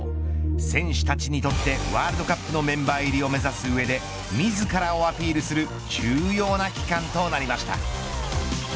選手たちにとってワールドカップのメンバー入りを目指す上で自らをアピールする重要な期間となりました。